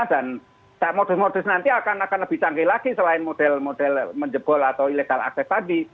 dan modus modus nanti akan lebih canggih lagi selain model model menjebol atau illegal access tadi